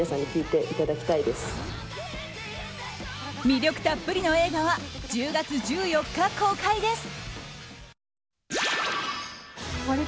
魅力たっぷりの映画は１０月１４日公開です。